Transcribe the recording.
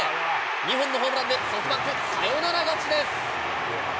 ２本のホームランで、ソフトバンク、サヨナラ勝ちです。